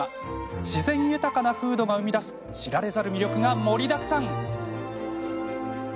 自然豊かな風土が生み出す知られざる魅力が盛りだくさん。